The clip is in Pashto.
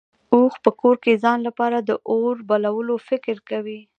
اوښ په کور کې ځان لپاره د اور بلولو فکر کوي.